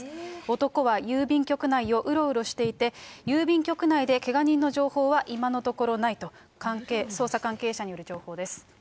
男は郵便局内をうろうろしていて、郵便局内でけが人の情報は今のところないと、捜査関係者による情報です。